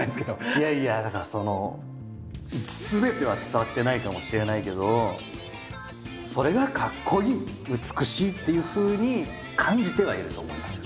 いやいやだからすべては伝わってないかもしれないけどそれがかっこいい美しいっていうふうに感じてはいると思いますよ。